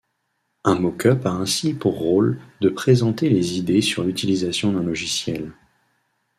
Un mock-up a ainsi pour rôle de présenter les idées sur l'utilisation d'un logiciel.